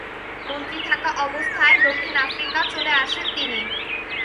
মন্ত্রী থাকা অবস্থায় দক্ষিণ আফ্রিকা চলে আসেন তিনি।